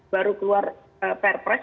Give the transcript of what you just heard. baru keluar perpres